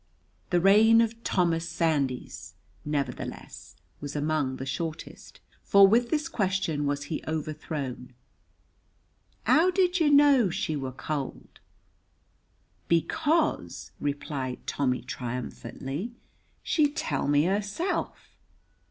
The reign of Thomas Sandys, nevertheless, was among the shortest, for with this question was he overthrown: "How did yer know she were cold?" "Because," replied Tommy, triumphantly, "she tell me herself."